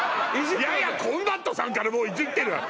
いやいやコンバットさんからもうイジってるわよ